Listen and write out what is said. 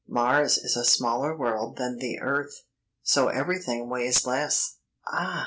Mars is a smaller world than the earth, so everything weighs less." "Ah!